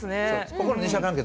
ここの二者関係